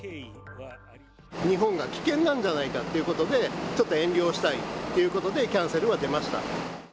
日本が危険なんじゃないかということで、ちょっと遠慮をしたいということで、キャンセルは出ました。